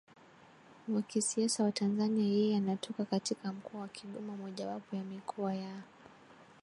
wa kisiasa wa TanzaniaYeye anatoka katika Mkoa wa Kigoma mojawapo ya mikoa ya